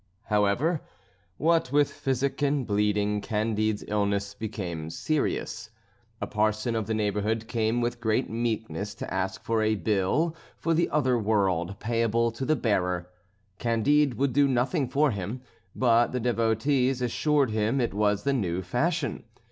However, what with physic and bleeding, Candide's illness became serious. A parson of the neighborhood came with great meekness to ask for a bill for the other world payable to the bearer. Candide would do nothing for him; but the devotees assured him it was the new fashion.